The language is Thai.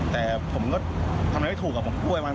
แต่ผมก็ทำอะไรไม่ถูกกับผมด้วยบ้าง